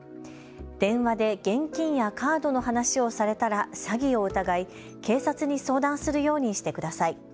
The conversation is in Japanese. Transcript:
電話で現金やカードの話をされたら詐欺を疑い、警察に相談するようにしてください。